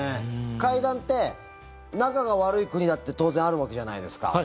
会談って仲が悪い国だって当然あるわけじゃないですか。